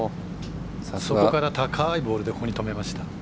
そこから高いボールでここに止めました。